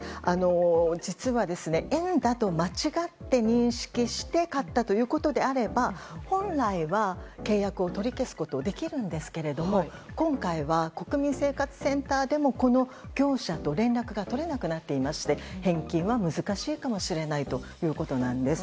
実は、円だと間違って認識して買ったということであれば本来は、契約を取り消すことができるんですけども今回は、国民生活センターでもこの業者と連絡が取れなくなっていまして返金は難しいかもしれないということです。